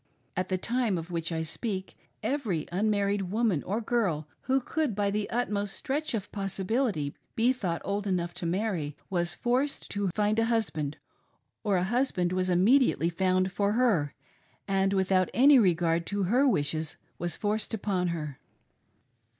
At the time of which I speak, every unmarried woman, or girl who could by the utmost stretch of possibility be thought old enough to marry, was forced to find a husband, or a husband was immediately found for her, and without any regard to her wishes was forced upon her.